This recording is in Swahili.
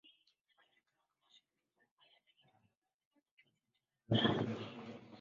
Ilionekana kama shinikizo kuu la kudhibiti bidhaa za tumbaku.